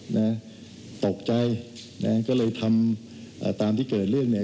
นะตกใจนะฮะก็เลยทำอ่าตามที่เกิดเรื่องเนี่ย